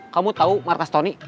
kamu tau markas tony